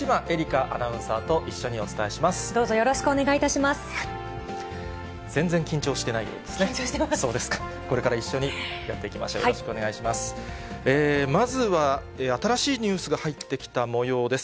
まずは新しいニュースが入ってきたもようです。